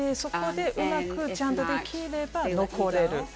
そこでうまくちゃんとできれば残れる。